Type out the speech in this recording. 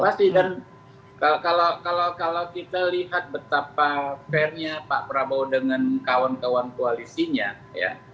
pasti dan kalau kita lihat betapa fairnya pak prabowo dengan kawan kawan koalisinya ya